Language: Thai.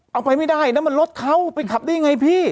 เอาไปไม่ได้นะมันรถเขาไปขับได้ยังไงพี่